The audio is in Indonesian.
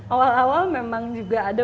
awal awal memang juga ada